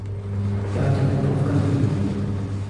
เราจะไม่พบกันอีก